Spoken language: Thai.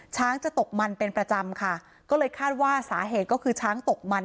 ช้างจะตกมันเป็นประจำค่ะก็เลยคาดว่าสาเหตุก็คือช้างตกมัน